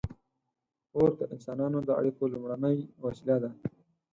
• اور د انسانانو د اړیکو لومړنۍ وسیله وه.